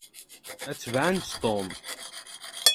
Ad tebεent Tom.